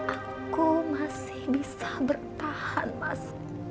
aku masih bisa bertahan mas